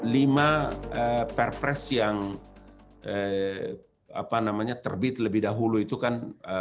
lima perpres yang terbit lebih dahulu itu kan